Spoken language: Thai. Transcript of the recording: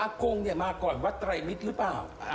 อากงมาก่อนวัดไตรมิตรหรือเปล่า